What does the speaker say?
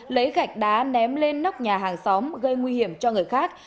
lấy gạch đá ném lên nóc nhà hàng xóm gây nguy hiểm cho người khác